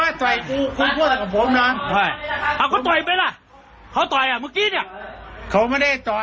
ปรากฏว่าสิ่งที่เกิดขึ้นคลิปนี้ฮะ